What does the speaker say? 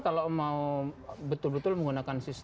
kalau mau betul betul menggunakan sistem